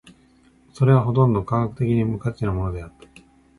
それはほとんど科学的には無価値なものであった。